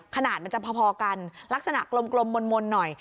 ขนาดมันจะพอกันลักษณะกลมมนต์หน่อย